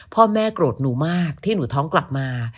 พ่อแม่โกรธหนูมากที่หนูท้องกลับมา